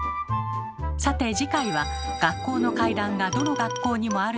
さて次回は「学校の怪談がどの学校にもあるのはなぜ？」